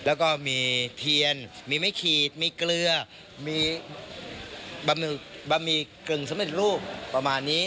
แล้วก็มีเทียนมีไม้ขีดมีเกลือมีบะหมี่กึ่งสำเร็จรูปประมาณนี้